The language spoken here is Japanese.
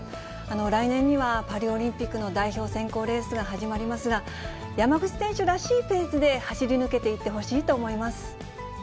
来年には、パリオリンピックの代表選考レースが始まりますが、山口選手らしいペースで走り抜けていってほしいと思います。